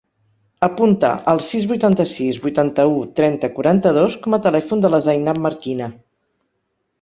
Apunta el sis, vuitanta-sis, vuitanta-u, trenta, quaranta-dos com a telèfon de la Zainab Marquina.